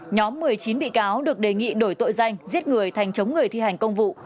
nhóm một mươi chín bị cáo được đề nghị đổi tội danh giết người thành chống người thi hành công vụ